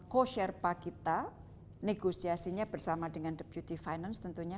co sherpa kita negosiasinya bersama dengan the beauty finance tentunya